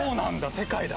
世界だ。